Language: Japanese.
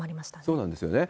そうなんですよね。